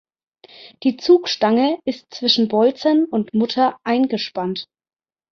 Die Zugstange ist zwischen Bolzen und Mutter eingespannt.